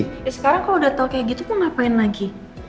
tapi sekarang kau udah tau kayak gitu mau ngapain lagi